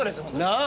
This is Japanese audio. なあ？